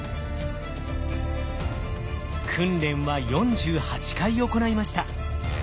訓練は４８回行いました。